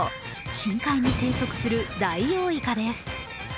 深海に生息するダイオウイカです。